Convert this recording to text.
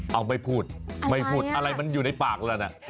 เอาไม่พูดไม่พูดอะไรมันอยู่ในปากแล้วนะ